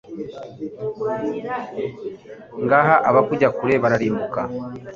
Ngaha abakujya kure bararimbuka